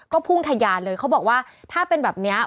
ก็พุ่งทะยานเลยเขาบอกว่าถ้าเป็นแบบนี้